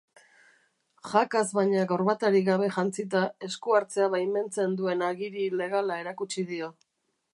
Jakaz baina gorbatarik gabe jantzita, esku-hartzea baimentzen duen agiri legala erakutsi dio.